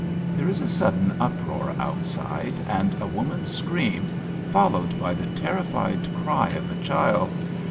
{There is a sudden uproar outside^ and a woman's scream, followed by the ter'iHfied cry of a child.)